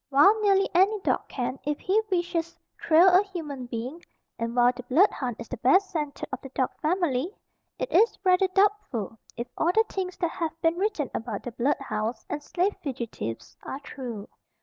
While nearly any dog can, if he wishes, trail a human being, and while the blood hound is the best scented of the dog family, it is rather doubtful if all the things that have been written about the blood hounds and slave fugitives are true.